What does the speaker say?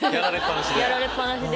やられっ放しで。